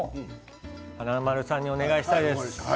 華丸さんにお願いしたいです。